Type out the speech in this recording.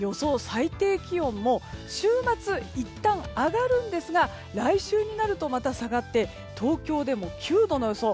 最低気温も週末、いったん上がるんですが来週になるとまた下がって東京でも９度の予想。